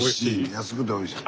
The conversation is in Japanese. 安くておいしい。